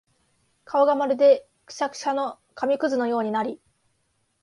顔がまるでくしゃくしゃの紙屑のようになり、